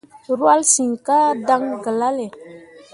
Rwahlle siŋ ka dan gelale.